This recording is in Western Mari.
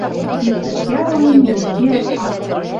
Иктӹш ярлен, нӹнӹ кеӓт пак.